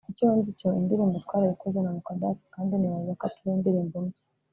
icyo nzi cyo indirimbo twarayikoze na Mukadaff kandi nibaza ko atari indirimbo mbi